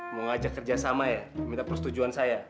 mau ngajak kerja sama ya minta persetujuan saya